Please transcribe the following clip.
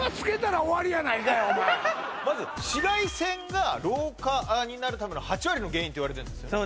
まず紫外線が老化になるための８割の原因っていわれてんですよね